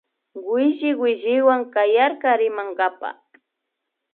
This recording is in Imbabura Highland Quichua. Williwilliwan kayarka rimankapa